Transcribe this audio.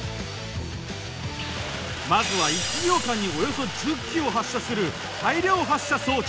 まずは１秒間におよそ１０機を発射する大量発射装置。